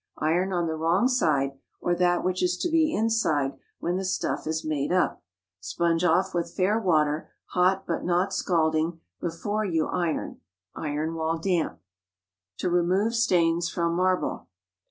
Iron on the wrong side, or that which is to be inside when the stuff is made up. Sponge off with fair water, hot but not scalding, before you iron. Iron while damp. TO REMOVE STAINS FROM MARBLE.